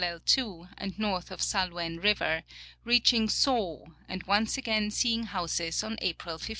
255 lei to and north of Salouen river, reaching So and once again seeing houses on April 15.